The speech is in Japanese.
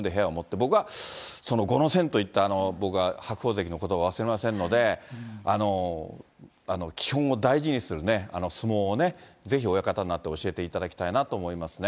僕は後の先といった僕は白鵬関のことばは忘れませんので、基本を大事にするね、相撲をね、ぜひ親方になって教えていただきたいなと思いますね。